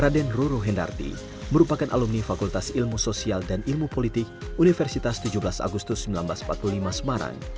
raden roro hendarti merupakan alumni fakultas ilmu sosial dan ilmu politik universitas tujuh belas agustus seribu sembilan ratus empat puluh lima semarang